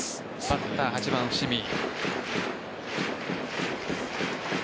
バッター、８番・伏見。